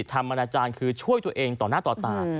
อนาจารย์คือช่วยตัวเองต่อหน้าต่อตา